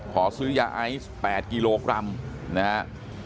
ขอซื้อยาไอซ์๘กิโลกรัมนะฮะ